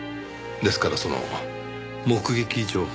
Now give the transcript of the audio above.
ですからその目撃情報。